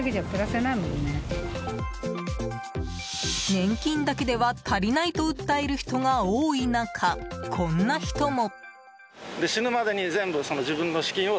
年金だけでは足りないと訴える人が多い中、こんな人も。